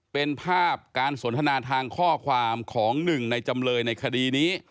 เป็นภาพการสนทนาทางข้อความของหนึ่งในจำเลยในคดีนี้